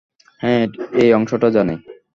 হ্যাঁ, এই অংশটা জানি।